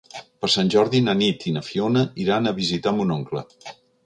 Per Sant Jordi na Nit i na Fiona iran a visitar mon oncle.